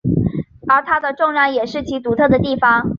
而它的重量也是其独特的地方。